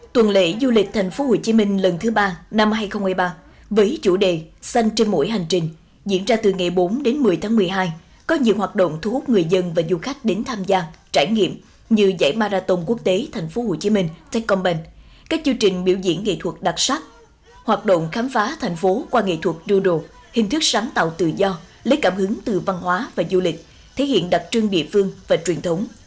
trong khổ tuần lễ du lịch tp hcm lần thứ ba năm hai nghìn hai mươi ba với chủ đề xanh trên mũi hành trình diễn ra từ ngày bốn đến một mươi tháng một mươi hai có nhiều hoạt động thu hút người dân và du khách đến tham gia trải nghiệm như giải marathon quốc tế tp hcm các chương trình biểu diễn nghệ thuật đặc sắc hoạt động khám phá thành phố qua nghệ thuật đu đồ hình thức sáng tạo tự do lấy cảm hứng từ văn hóa và du lịch thể hiện đặc trưng địa phương và truyền thống